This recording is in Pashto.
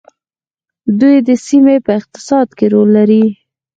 دوی د سیمې په اقتصاد کې رول لري.